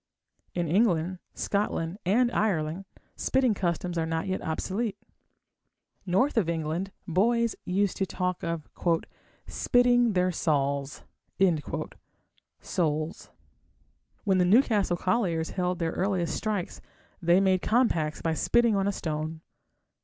In England, Scotland, and Ireland spitting customs are not yet obsolete. North of England boys used to talk of "spitting their sauls" (souls). When the Newcastle colliers held their earliest strikes they made compacts by spitting on a stone.